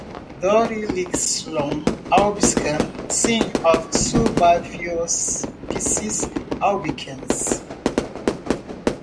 "Doryxylon albicans" syn of "Sumbaviopsis albicans"